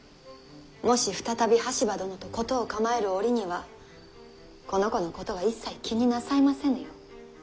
もし再び羽柴殿と事を構える折にはこの子のことは一切気になさいませぬよう。